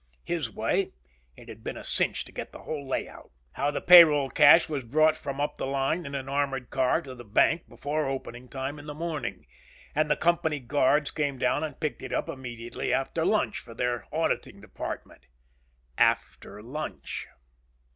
His way, it had been a cinch to get the whole layout. How the payroll cash was brought from up the line in an armored car to the bank before opening time in the morning. And the company guards came down and picked it up immediately after lunch for their auditing department. After lunch!